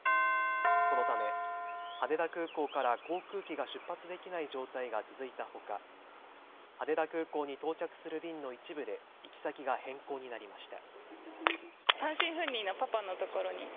このため羽田空港から航空機が出発できない状態が続いたほか羽田空港に到着する便の一部で行き先が変更になりました。